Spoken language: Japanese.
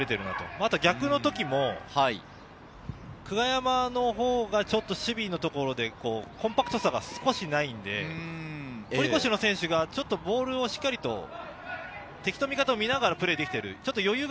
また逆のときも久我山のほうがちょっと守備のところでコンパクトさが少しないので、堀越の選手がちょっとボールをしっかりと敵と味方を見ながらプレーできている。